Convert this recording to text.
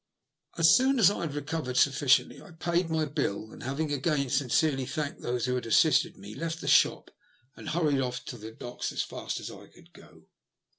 As soon as I had recovered sufficiently, I paid my bill, and, having again sincerely thanked those who had assisted me, left the shop and hurried off to the docks as fast as I could go.